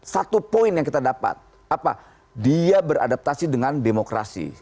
satu poin yang kita dapat apa dia beradaptasi dengan demokrasi